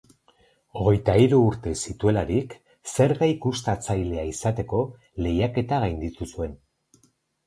Hogeita hiru urte zituelarik, zerga-ikuskatzailea izateko lehiaketa gainditu zuen.